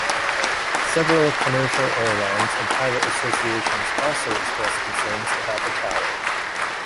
Several commercial airlines and pilot associations also expressed concerns about the tower.